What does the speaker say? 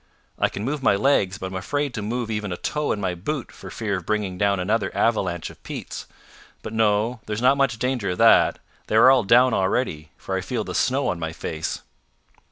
"I can move my legs, but I'm afraid to move even a toe in my boot for fear of bringing down another avalanche of peats. But no there's not much danger of that: they are all down already, for I feel the snow on my face."